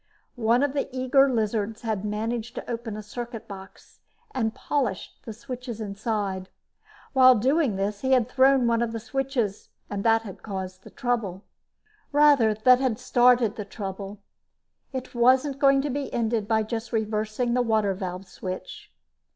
One of the eager lizards had managed to open a circuit box and had polished the switches inside. While doing this, he had thrown one of the switches and that had caused the trouble. Rather, that had started the trouble. It wasn't going to be ended by just reversing the water valve switch.